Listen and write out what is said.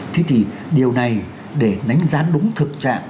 thế thì điều này để đánh giá đúng thực trạng